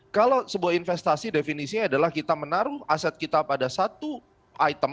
kalau sebuah investasi definisinya adalah kita menaruh aset kita pada satu item